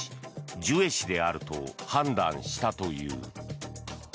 ジュエ氏であると判断したという。